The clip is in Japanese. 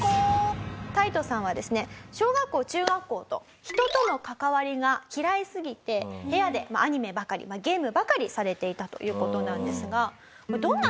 タイトさんはですね小学校中学校と人との関わりが嫌いすぎて部屋でアニメばかりゲームばかりされていたという事なんですが。